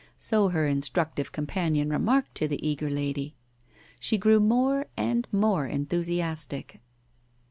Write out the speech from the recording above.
So her instructive companion remarked to the eager lady. She grew more and more enthusiastic.